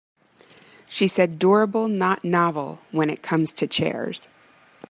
She said durable not novel when it comes to chairs.